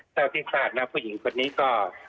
เจ้าที่ฟังนะผู้หญิงคนนี้ก็